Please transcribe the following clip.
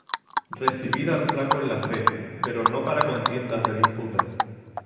Recibid al flaco en la fe, pero no para contiendas de disputas.